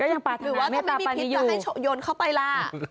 หรือว่าถ้าไม่มีพิษจะให้โยนเข้าไปล่ะ